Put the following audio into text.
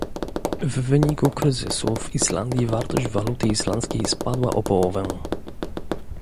W wyniku kryzysu w Islandii wartość waluty islandzkiej spadła o połowę